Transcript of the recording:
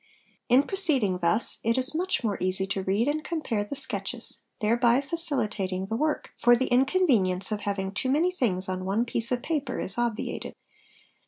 In proceeding thus it is much more easy to read and compare the sketches, thereby facilitat ing the work, for the inconvenience of having too many things on one piece of paper is obviated.